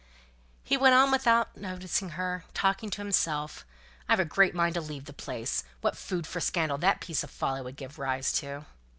He went on, without noticing her, talking to himself, "I've a great mind to leave the place; and what food for scandal that piece of folly would give rise to!"